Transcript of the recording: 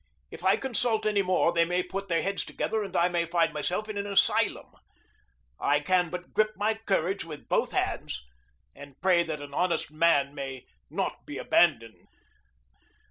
If I consult any more, they may put their heads together and I may find myself in an asylum. I can but grip my courage with both hands, and pray that an honest man may not be abandoned.